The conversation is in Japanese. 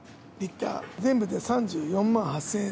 全部で３４万８０００円。